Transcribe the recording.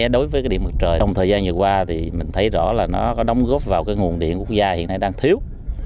đối với điện mặt trời trong thời gian vừa qua thì mình thấy rõ là nó có đóng góp vào nguồn điện quốc gia hiện nay đang thiếu